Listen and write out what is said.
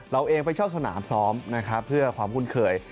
เราเองไปเช่าสนามซ้อมนะครับเพื่อความคุ้นเคย